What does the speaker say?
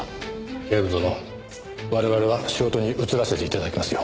警部殿我々は仕事に移らせて頂きますよ。